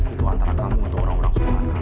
itu antara kamu atau orang orang seorang kamu